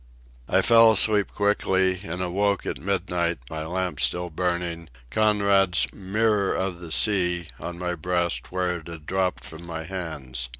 I fell asleep quickly, and awoke at midnight, my lamp still burning, Conrad's Mirror of the Sea on my breast where it had dropped from my hands.